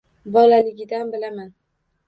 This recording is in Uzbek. Bolaligidan bilaman